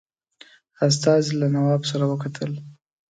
استازي له نواب سره وکتل.